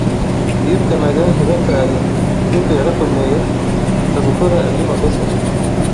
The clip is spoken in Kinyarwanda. birukanaga ntibatahe, groupe yarakomeye, nza gukora andi makosa